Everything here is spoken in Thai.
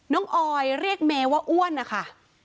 ออยเรียกเมว่าอ้วนนะคะ